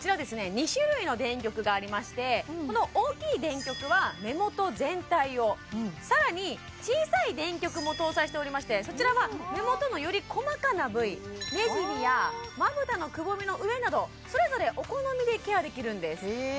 ２種類の電力がありましてこの大きい電極は目元全体をさらに小さい電極も搭載しておりましてそちらは目元のより細かな部位目尻やまぶたのくぼみの上などそれぞれお好みでケアできるんです